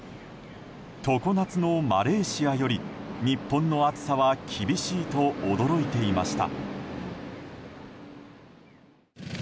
常夏のマレーシアより日本の暑さは厳しいと驚いていました。